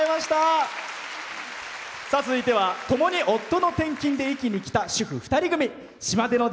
続いてはともに夫の転勤で壱岐に来た主婦２人組。